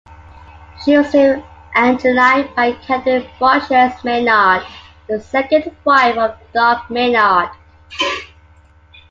She was named Angeline by Catherine Broshears Maynard, the second wife of Doc Maynard.